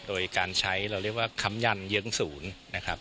โดยการใช้เราเรียกว่าค้ำยันเยื้องศูนย์นะครับ